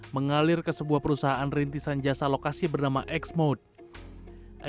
mengalir ke sebuah perusahaan rintisan jasa lokasi bernama xmode